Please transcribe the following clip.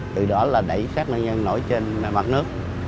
từ đó là đẩy sát nạn nhân nổi trên mặt nước